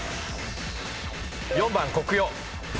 ４番コクヨ。